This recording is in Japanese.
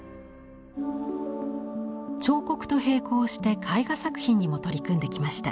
彫刻と並行して絵画作品にも取り組んできました。